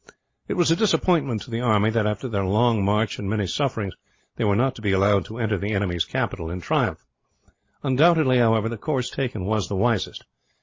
It was a disappointment to the army that, after their long march and many sufferings, they were not to be allowed to enter the enemy's capital in triumph. Undoubtedly, however, the course taken was the wisest.